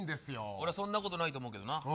俺そんなことないと思うけどな。